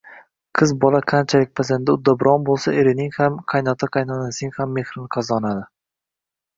Qiz bola qanchalik pazanda, uddaburon bo‘lsa, erining ham, qaynota- qaynonasining ham mehrini qozonadi.